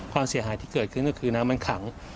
ความเสียหายที่เกิดขึ้นก็คือน้ำมันขัง